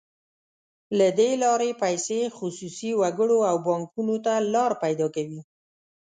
له دې لارې پیسې خصوصي وګړو او بانکونو ته لار پیدا کوي.